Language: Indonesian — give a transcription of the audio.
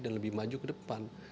dan lebih maju ke depan